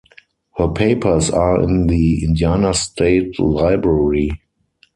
Her papers are in the Indiana State Library.